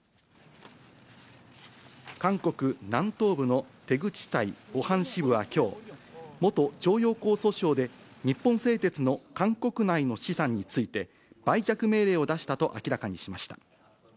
韓国南東部のテグ地裁ポハン支部はきょう、元徴用工訴訟で、日本製鉄の韓国内の資産について、売却命令を出したと明らかにしました。